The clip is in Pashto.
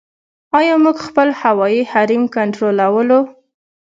آیا موږ خپل هوایي حریم کنټرولوو؟